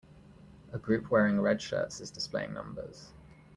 A group wearing red shirts is displaying numbers.